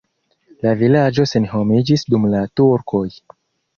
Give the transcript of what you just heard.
La vilaĝo senhomiĝis dum la turkoj.